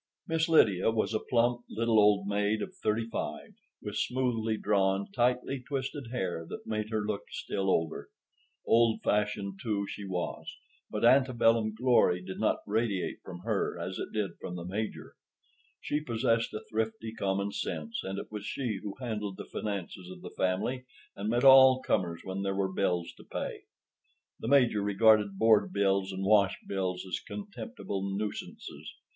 Miss Lydia was a plump, little old maid of thirty five, with smoothly drawn, tightly twisted hair that made her look still older. Old fashioned, too, she was; but antebellum glory did not radiate from her as it did from the Major. She possessed a thrifty common sense, and it was she who handled the finances of the family, and met all comers when there were bills to pay. The Major regarded board bills and wash bills as contemptible nuisances.